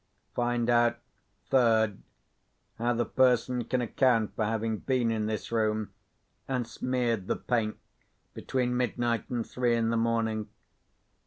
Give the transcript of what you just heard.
Find out (third) how the person can account for having been in this room, and smeared the paint, between midnight and three in the morning.